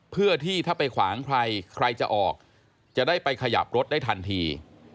เพื่อที่ถ้าไปขวางใครใครจะออกจะได้ไปขยับรถได้ทันที